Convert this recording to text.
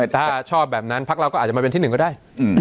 ถ้าชอบแบบนั้นพักเราก็อาจจะมาเป็นที่หนึ่งก็ได้